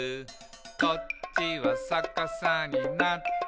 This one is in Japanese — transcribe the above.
「こっちはさかさになっていて」